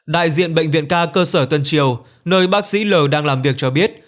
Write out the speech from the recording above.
đại diện bệnh viện ca cơ sở tân triều nơi bác sĩ l đang làm việc cho biết